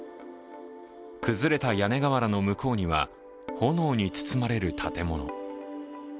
崩れた屋根瓦の向こうには炎に包まれる建物。